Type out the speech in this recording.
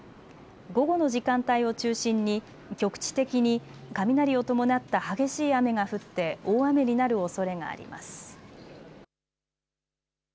午後の時間帯を中心に局地的に雷を伴った激しい雨が降って大雨になるおそれがあります。